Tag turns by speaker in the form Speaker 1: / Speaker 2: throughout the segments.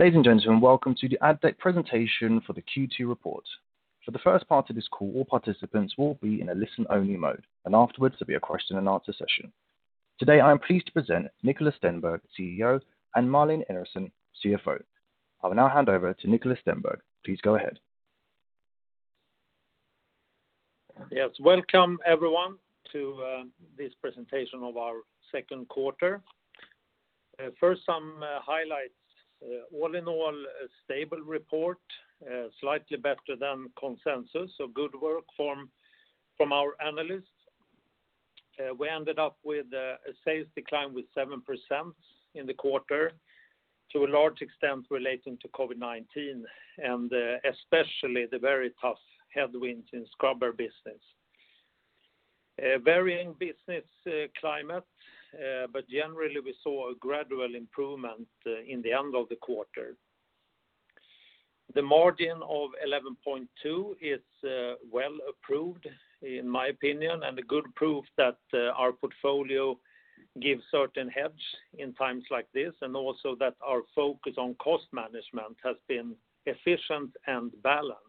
Speaker 1: Ladies and gentlemen, welcome to the Addtech presentation for the Q2 report. For the first part of this call, all participants will be in a listen-only mode, and afterwards there'll be a question-and-answer session. Today, I am pleased to present Niklas Stenberg, CEO, and Malin Enarson, CFO. I will now hand over to Niklas Stenberg. Please go ahead.
Speaker 2: Yes, welcome everyone to this presentation of our second quarter. First, some highlights. All in all, a stable report, slightly better than consensus. Good work from our analysts. We ended up with a sales decline with 7% in the quarter, to a large extent relating to COVID-19 and especially the very tough headwinds in scrubber. Varying business climate, but generally we saw a gradual improvement in the end of the quarter. The margin of 11.2% is well approved, in my opinion, and a good proof that our portfolio gives certain hedge in times like this, and also that our focus on cost management has been efficient and balanced.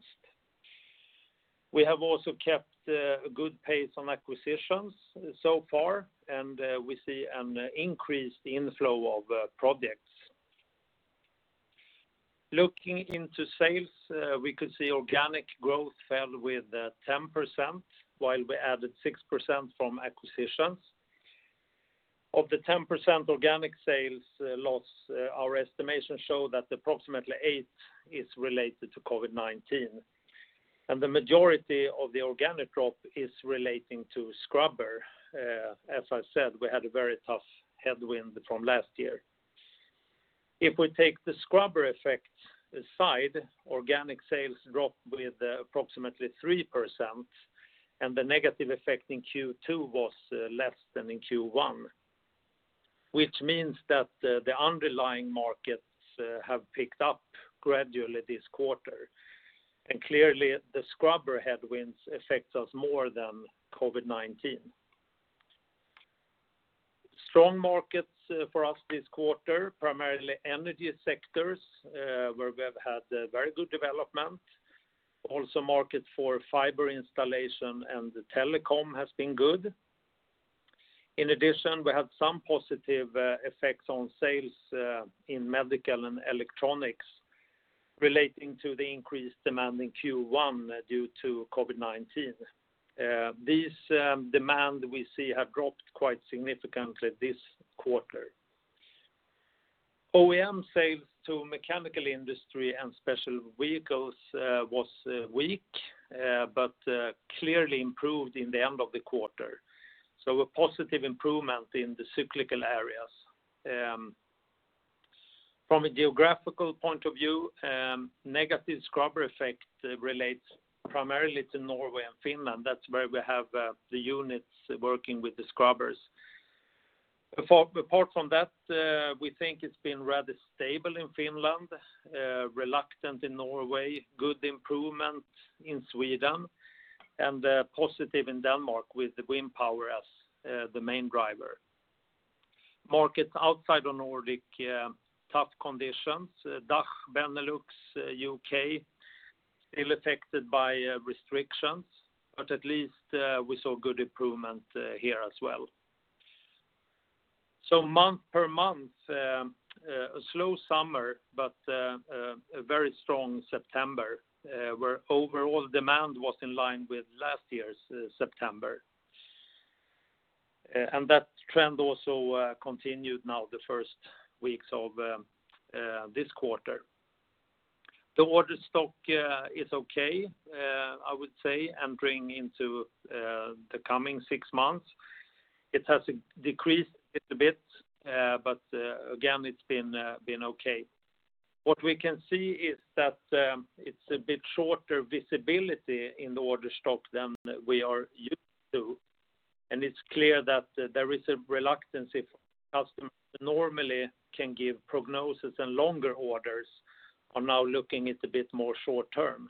Speaker 2: We have also kept a good pace on acquisitions so far, and we see an increased inflow of projects. Looking into sales, we could see organic growth fell with 10%, while we added 6% from acquisitions. Of the 10% organic sales loss, our estimations show that approximately 8% is related to COVID-19. The majority of the organic drop is relating to scrubber. As I said, we had a very tough headwind from last year. If we take the scrubber effect aside, organic sales dropped with approximately 3%, and the negative effect in Q2 was less than in Q1, which means that the underlying markets have picked up gradually this quarter. Clearly, the scrubber headwinds affect us more than COVID-19. Strong markets for us this quarter, primarily energy sectors, where we have had very good development. Markets for fiber installation and telecom has been good. We had some positive effects on sales in medical and electronics relating to the increased demand in Q1 due to COVID-19. This demand we see have dropped quite significantly this quarter. OEM sales to mechanical industry and special vehicles was weak, but clearly improved in the end of the quarter. A positive improvement in the cyclical areas. From a geographical point of view, negative scrubber effect relates primarily to Norway and Finland. That's where we have the units working with the scrubbers. Apart from that, we think it's been rather stable in Finland, reluctant in Norway, good improvement in Sweden, and positive in Denmark with the wind power as the main driver. Markets outside of Nordic, tough conditions. DACH, Benelux, U.K., still affected by restrictions, but at least we saw good improvement here as well. Month per month, a slow summer, but a very strong September, where overall demand was in line with last year's September. That trend also continued now the first weeks of this quarter. The order stock is okay, I would say, entering into the coming six months. It has decreased a little bit, but again, it's been okay. What we can see is that it's a bit shorter visibility in the order stock than we are used to, and it's clear that there is a reluctance if customers that normally can give prognosis and longer orders are now looking it a bit more short term.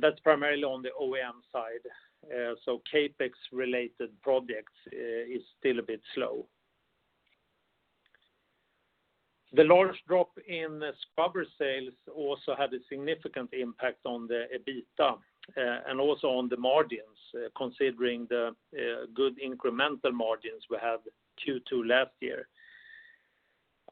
Speaker 2: That's primarily on the OEM side. CapEx related projects is still a bit slow. The large drop in scrubber sales also had a significant impact on the EBITDA and also on the margins, considering the good incremental margins we had Q2 last year.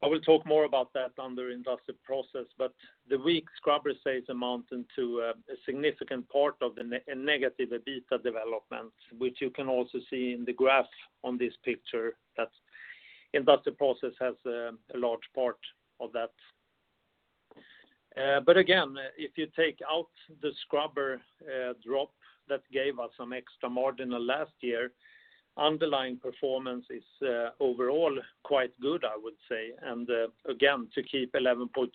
Speaker 2: I will talk more about that under Industrial Process, but the weak scrubber sales amount into a significant part of the negative EBITDA development, which you can also see in the graph on this picture, that Industrial Process has a large part of that. Again, if you take out the scrubber drop that gave us some extra marginal last year, underlying performance is overall quite good, I would say. Again, to keep 11.2%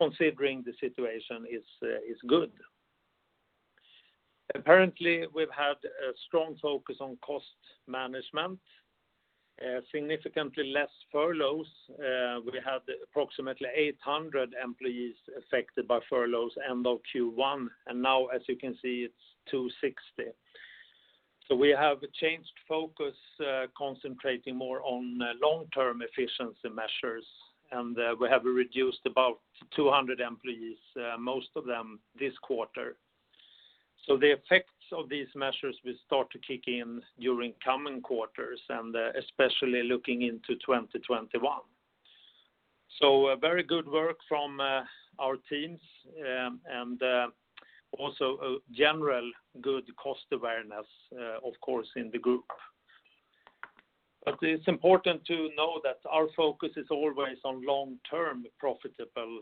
Speaker 2: considering the situation is good. Apparently, we've had a strong focus on cost management, significantly less furloughs. We had approximately 800 employees affected by furloughs end of Q1, and now, as you can see, it's 260. We have changed focus, concentrating more on long-term efficiency measures, and we have reduced about 200 employees, most of them this quarter. The effects of these measures will start to kick in during coming quarters, and especially looking into 2021. Very good work from our teams, and also a general good cost awareness, of course, in the group. It's important to know that our focus is always on long-term profitable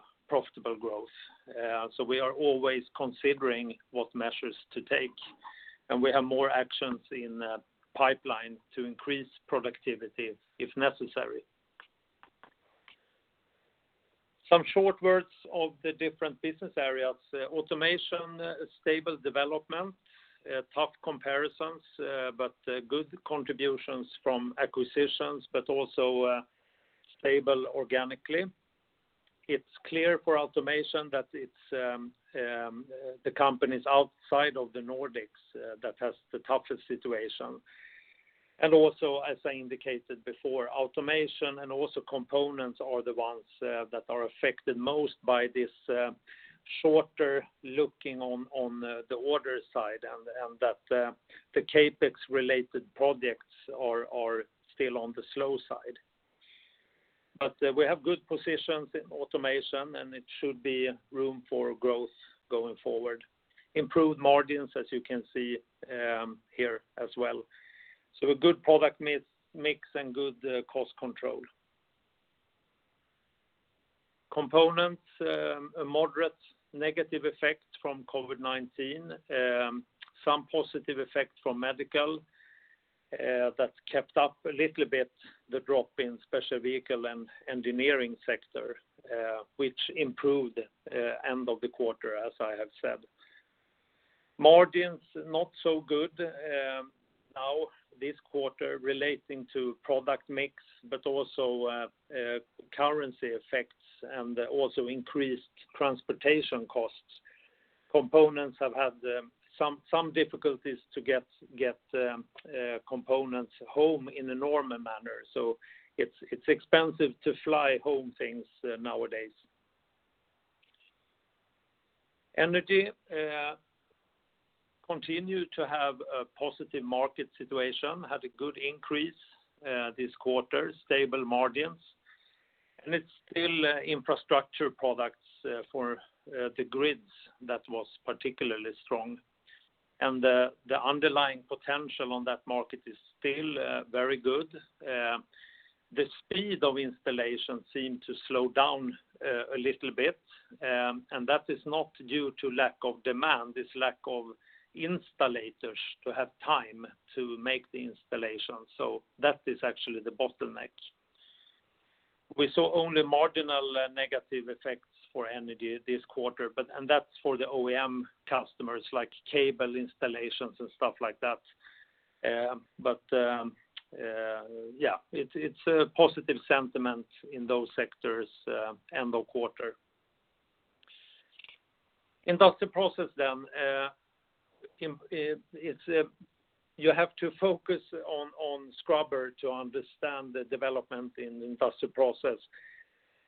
Speaker 2: growth. We are always considering what measures to take, and we have more actions in pipeline to increase productivity if necessary. Some short words of the different business areas. Automation, stable development, tough comparisons, but good contributions from acquisitions, but also stable organically. It's clear for Automation that it's the companies outside of the Nordics that has the toughest situation. Also, as I indicated before, Automation and also Components are the ones that are affected most by this shorter looking on the order side, and that the CapEx related projects are still on the slow side. We have good positions in Automation, and it should be room for growth going forward. Improved margins, as you can see here as well. A good product mix and good cost control. Components, a moderate negative effect from COVID-19. Some positive effect from medical, that kept up a little bit the drop in special vehicle and engineering sector, which improved end of the quarter, as I have said. Margins, not so good now this quarter relating to product mix, but also currency effects and also increased transportation costs. Components have had some difficulties to get components home in a normal manner. It's expensive to fly home things nowadays. Energy continue to have a positive market situation, had a good increase this quarter, stable margins, and it's still infrastructure products for the grids that was particularly strong. The underlying potential on that market is still very good. The speed of installation seemed to slow down a little bit, and that is not due to lack of demand, it's lack of installers to have time to make the installation. That is actually the bottleneck. We saw only marginal negative effects for Energy this quarter, and that's for the OEM customers, like cable installations and stuff like that. It's a positive sentiment in those sectors end of quarter. Industrial Process, you have to focus on scrubber to understand the development in Industrial Process.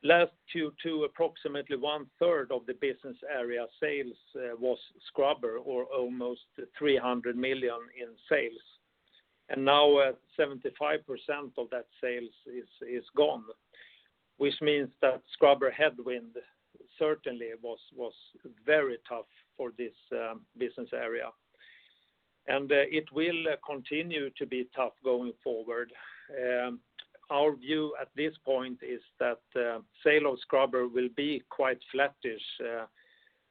Speaker 2: Last two, approximately one third of the business area sales was scrubber or almost 300 million in sales. Now 75% of that sales is gone, which means that scrubber headwind certainly was very tough for this business area. It will continue to be tough going forward. Our view at this point is that sale of scrubber will be quite flattish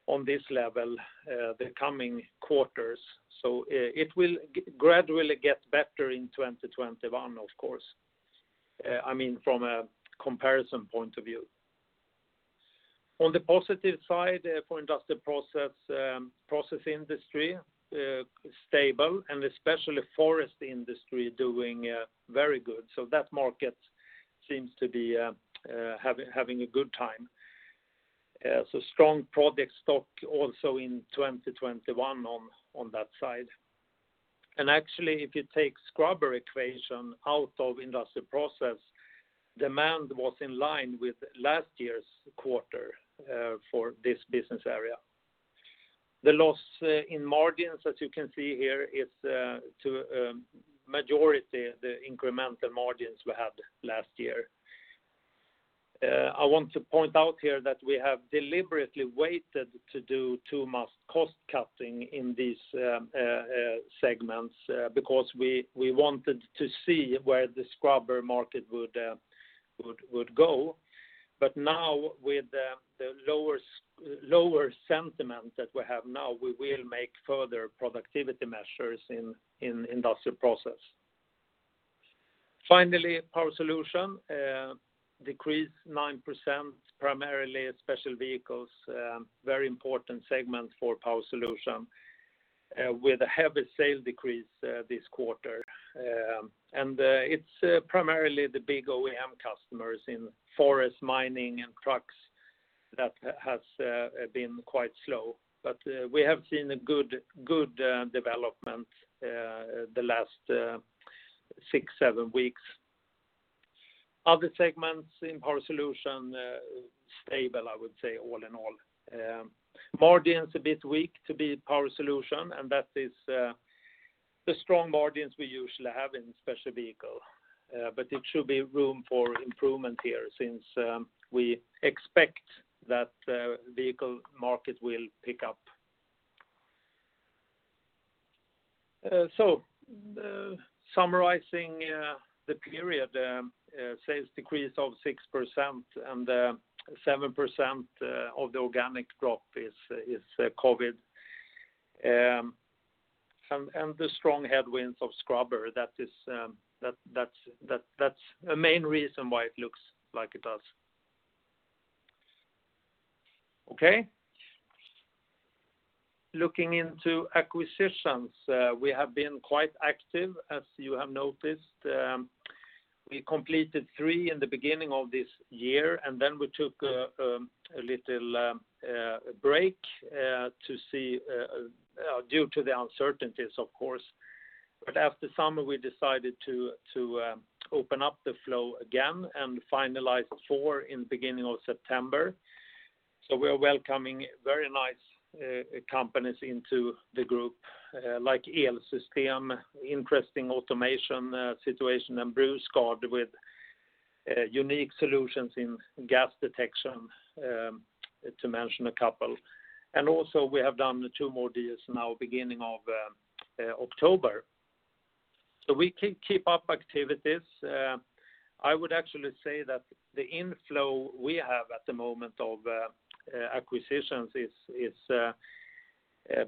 Speaker 2: on this level the coming quarters. It will gradually get better in 2021, of course. I mean, from a comparison point of view. On the positive side for Industrial Process, process industry, stable, and especially forest industry doing very good. That market seems to be having a good time. Strong project stock also in 2021 on that side. Actually, if you take scrubber equation out of Industrial Process, demand was in line with last year's quarter for this business area. The loss in margins, as you can see here, is to majority the incremental margins we had last year. I want to point out here that we have deliberately waited to do too much cost cutting in these segments because we wanted to see where the scrubber market would go. Now with the lower sentiment that we have now, we will make further productivity measures in Industrial Process. Finally, Power Solutions decreased 9%, primarily special vehicles, very important segment for Power Solutions with a heavy sales decrease this quarter. It's primarily the big OEM customers in forest mining and trucks. That has been quite slow, but we have seen a good development the last six, seven weeks. Other segments in Power Solutions are stable, I would say, all in all. Margins a bit weak to be Power Solutions, and that is the strong margins we usually have in Special Vehicle, but it should be room for improvement here since we expect that the vehicle market will pick up. Summarizing the period, sales decreased of 6%, and 7% of the organic drop is COVID-19. The strong headwinds of scrubber, that's a main reason why it looks like it does. Okay. Looking into acquisitions, we have been quite active, as you have noticed. We completed three in the beginning of this year, we took a little break due to the uncertainties, of course. After summer, we decided to open up the flow again and finalize four in the beginning of September. We are welcoming very nice companies into the group, like Elsystem, interesting automation situation, and Bruusgaard with unique solutions in gas detection, to mention a couple. We have done two more deals now, beginning of October. We keep up activities. I would actually say that the inflow we have at the moment of acquisitions is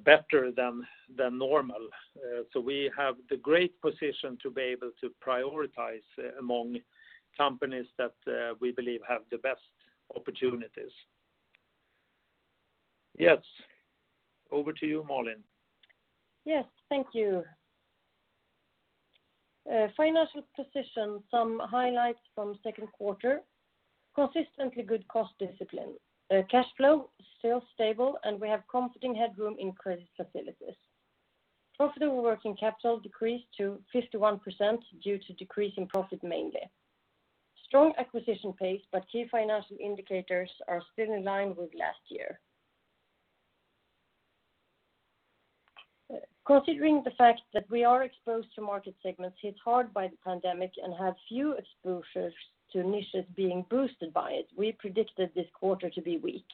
Speaker 2: better than normal. We have the great position to be able to prioritize among companies that we believe have the best opportunities. Over to you, Malin.
Speaker 3: Thank you. Financial position, some highlights from second quarter. Consistently good cost discipline. Cash flow, still stable, and we have comforting headroom in credit facilities. Profitable working capital decreased to 51% due to decrease in profit mainly. Strong acquisition pace, but key financial indicators are still in line with last year. Considering the fact that we are exposed to market segments hit hard by the pandemic and have few exposures to niches being boosted by it, we predicted this quarter to be weak.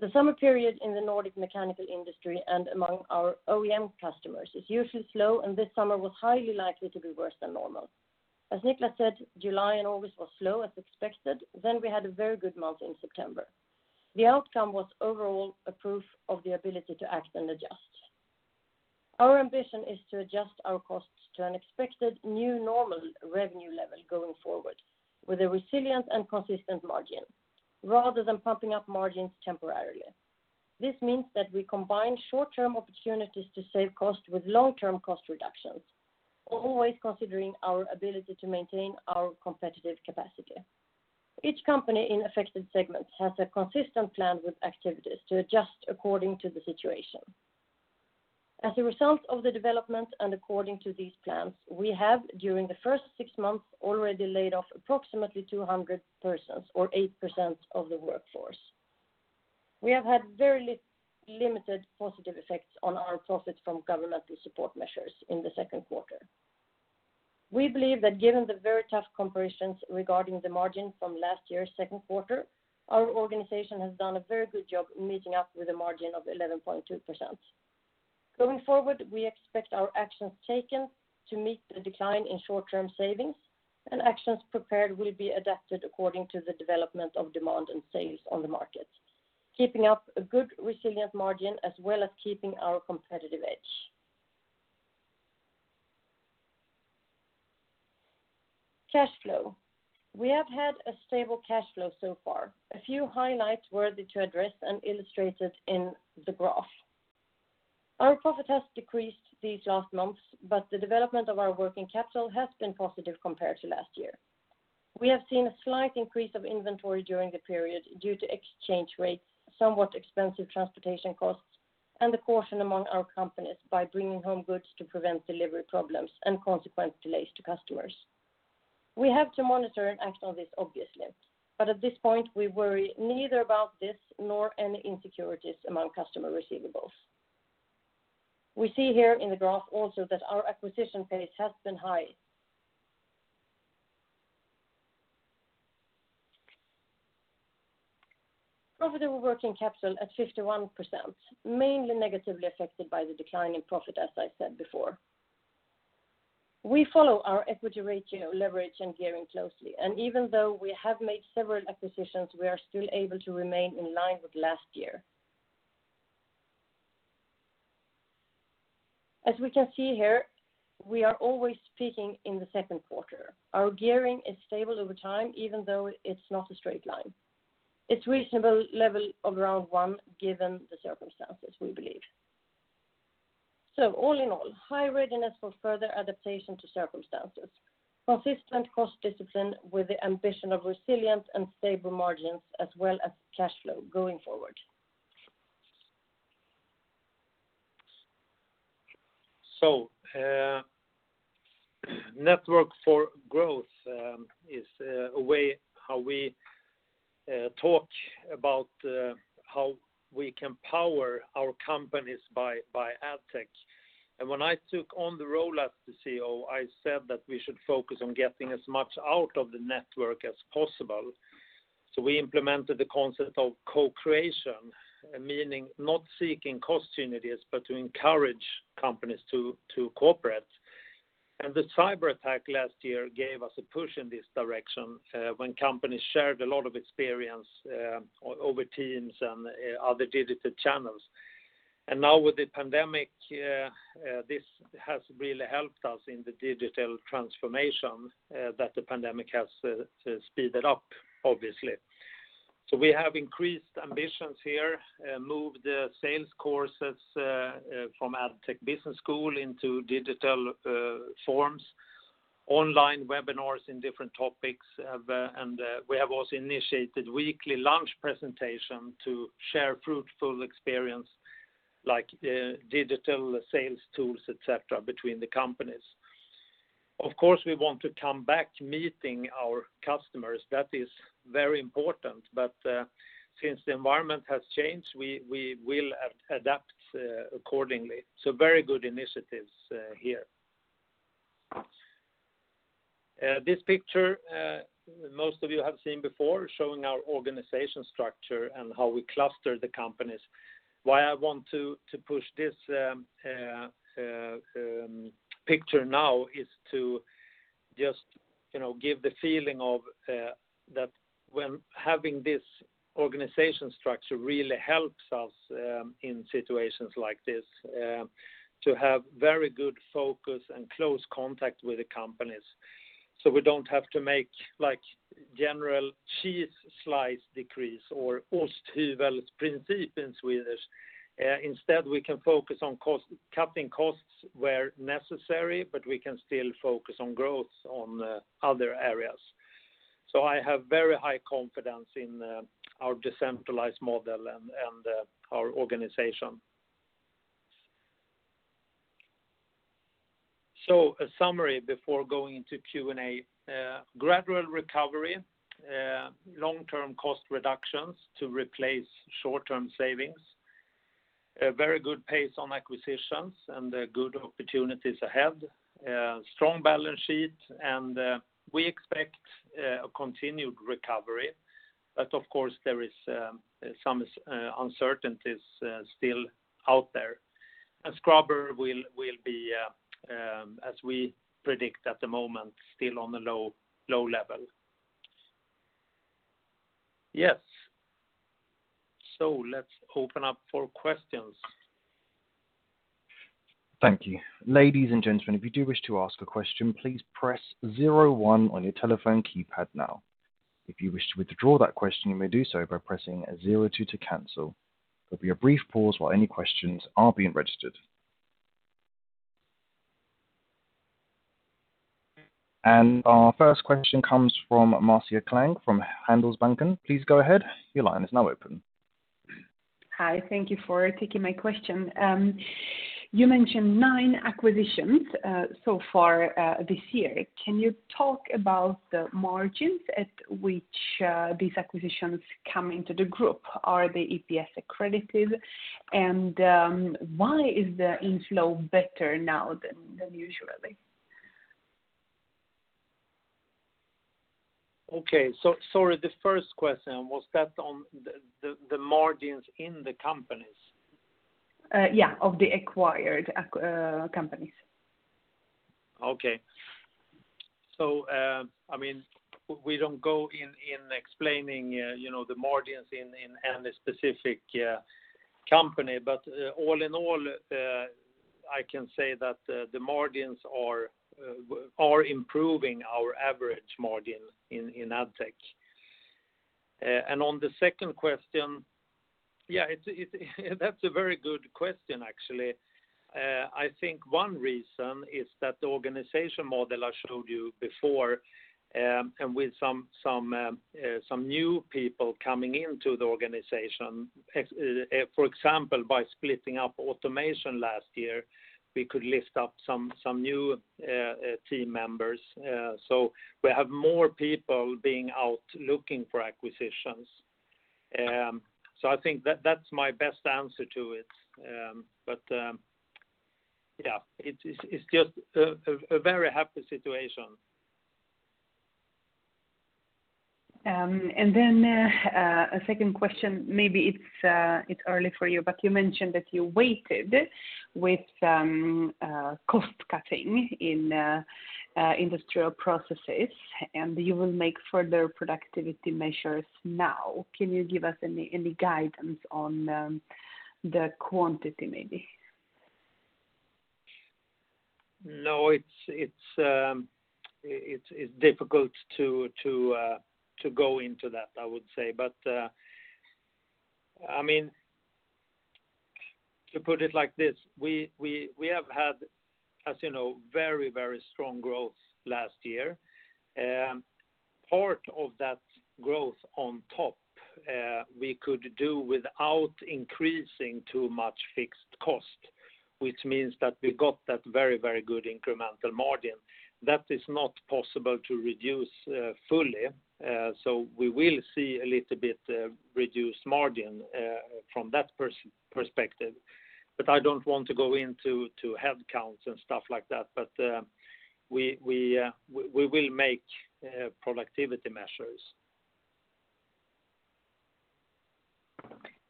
Speaker 3: The summer period in the Nordic mechanical industry and among our OEM customers is usually slow, and this summer was highly likely to be worse than normal. As Niklas said, July and August were slow as expected, then we had a very good month in September. The outcome was overall a proof of the ability to act and adjust. Our ambition is to adjust our costs to an expected new normal revenue level going forward with a resilient and consistent margin, rather than pumping up margins temporarily. This means that we combine short-term opportunities to save costs with long-term cost reductions, always considering our ability to maintain our competitive capacity. Each company in affected segments has a consistent plan with activities to adjust according to the situation. As a result of the development and according to these plans, we have, during the first six months, already laid off approximately 200 persons or 8% of the workforce. We have had very limited positive effects on our profits from governmental support measures in the second quarter. We believe that given the very tough comparisons regarding the margin from last year's second quarter, our organization has done a very good job in meeting up with a margin of 11.2%. Going forward, we expect our actions taken to meet the decline in short-term savings, and actions prepared will be adapted according to the development of demand and sales on the market, keeping up a good resilient margin as well as keeping our competitive edge. Cash flow. We have had a stable cash flow so far. A few highlights worthy to address and illustrated in the graph. Our profit has decreased these last months, but the development of our working capital has been positive compared to last year. We have seen a slight increase of inventory during the period due to exchange rates, somewhat expensive transportation costs, and the caution among our companies by bringing home goods to prevent delivery problems and consequent delays to customers. We have to monitor and act on this, obviously, but at this point, we worry neither about this nor any insecurities among customer receivables. We see here in the graph also that our acquisition pace has been high. Profitable working capital at 51%, mainly negatively affected by the decline in profit, as I said before. We follow our equity ratio, leverage, and gearing closely, and even though we have made several acquisitions, we are still able to remain in line with last year. As we can see here, we are always peaking in the second quarter. Our gearing is stable over time, even though it's not a straight line. It's reasonable level of around one, given the circumstances, we believe. All in all, high readiness for further adaptation to circumstances. Consistent cost discipline with the ambition of resilience and stable margins as well as cash flow going forward.
Speaker 2: Network for growth is a way how we talk about how we can power our companies by Addtech. When I took on the role as the CEO, I said that we should focus on getting as much out of the network as possible. We implemented the concept of co-creation, meaning not seeking cost synergies, but to encourage companies to cooperate. The cyber attack last year gave us a push in this direction when companies shared a lot of experience over Teams and other digital channels. Now with the pandemic, this has really helped us in the digital transformation that the pandemic has sped up, obviously. We have increased ambitions here, moved sales courses from Addtech Business School into digital forms, online webinars in different topics. We have also initiated weekly lunch presentation to share fruitful experience, like digital sales tools, et cetera, between the companies. Of course, we want to come back to meeting our customers. That is very important. Since the environment has changed, we will adapt accordingly. Very good initiatives here. This picture, most of you have seen before, showing our organization structure and how we cluster the companies. Why I want to push this picture now is to just give the feeling of that when having this organization structure really helps us in situations like this to have very good focus and close contact with the companies. We don't have to make general cheese-slicer principle or "osthyvelprincip" in Swedish. Instead, we can focus on cutting costs where necessary, but we can still focus on growth on other areas. I have very high confidence in our decentralized model and our organization. A summary before going into Q&A. Gradual recovery, long-term cost reductions to replace short-term savings, very good pace on acquisitions and good opportunities ahead, strong balance sheet, and we expect a continued recovery. Of course, there is some uncertainties still out there. scrubber will be, as we predict at the moment, still on a low level. Yes. Let's open up for questions.
Speaker 1: Thank you. Ladies and gentlemen if you do wish to ask a question press zero one on your telephone keypad now, if you wish to withdraw that question you may do so by pressing zero two to cancel. There will be brief pause for any questions all being registered. Our first question comes from Marcela Klang from Handelsbanken.
Speaker 4: Hi, thank you for taking my question. You mentioned nine acquisitions so far this year. Can you talk about the margins at which these acquisitions come into the group? Are they EPS accretive? Why is the inflow better now than usually?
Speaker 2: Okay. Sorry, the first question, was that on the margins in the companies?
Speaker 4: Yeah, of the acquired companies.
Speaker 2: Okay. We don't go in explaining the margins in any specific company. All in all, I can say that the margins are improving our average margin in Addtech. On the second question, yeah, that's a very good question, actually. I think one reason is that the organization model I showed you before, and with some new people coming into the organization. For example, by splitting up Automation last year, we could lift up some new team members. We have more people being out looking for acquisitions. I think that's my best answer to it. It's just a very happy situation.
Speaker 4: A second question, maybe it's early for you, but you mentioned that you waited with cost cutting in Industrial Process, and you will make further productivity measures now. Can you give us any guidance on the quantity maybe?
Speaker 2: No, it's difficult to go into that, I would say. To put it like this, we have had, as you know, very strong growth last year. Part of that growth on top, we could do without increasing too much fixed cost, which means that we got that very good incremental margin. That is not possible to reduce fully. We will see a little bit reduced margin from that perspective. I don't want to go into headcounts and stuff like that. We will make productivity measures.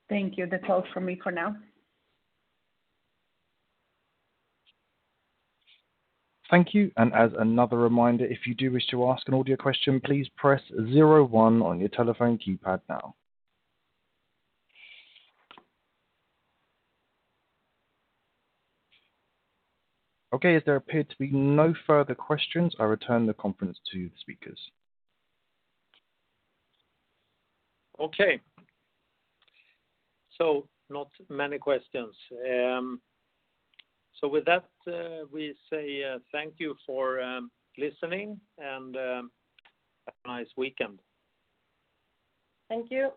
Speaker 4: Thank you. That's all from me for now.
Speaker 1: Thank you. As another reminder, if you do wish to ask an audio question, please press zero one on your telephone keypad now. Okay, as there appear to be no further questions, I return the conference to the speakers.
Speaker 2: Okay. Not many questions. With that, we say thank you for listening and have a nice weekend.
Speaker 1: Thank you.